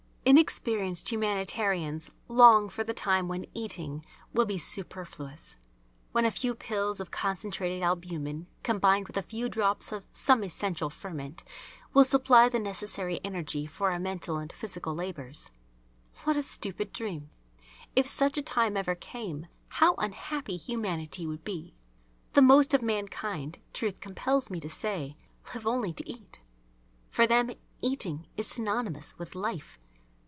Inexperienced humanitarians long for the time when eating will be superfluous, when a few pills of concentrated albumin combined with a few drops of some essential ferment will supply the necessary energy for our mental and physical labours. What a stupid dream! If such a time ever came, how unhappy humanity would be! The most of mankind, truth compels me to say, live only to eat. For them "eating" is synonymous with "life."